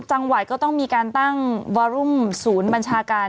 จังหวัดก็ต้องมีการตั้งวารุมศูนย์บัญชาการ